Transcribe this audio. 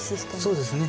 そうですね。